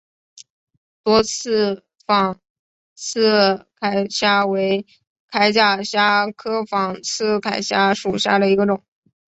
多刺仿刺铠虾为铠甲虾科仿刺铠虾属下的一个种。